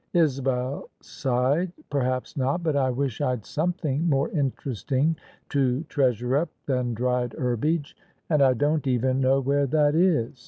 Isabel sighed. " Perhaps not; but I wish I'd something more interesting to treasure up than dried herbage: and I don't even know where that is!